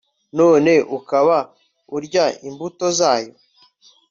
none ukaba urya imbuto zayo